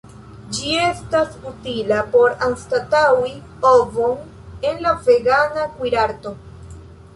Ĝi estas utila por anstataŭi ovon en la vegana kuirarto.